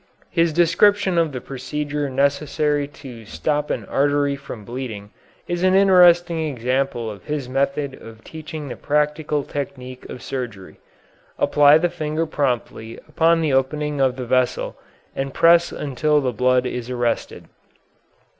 His description of the procedure necessary to stop an artery from bleeding is an interesting example of his method of teaching the practical technique of surgery. Apply the finger promptly upon the opening of the vessel and press until the blood is arrested.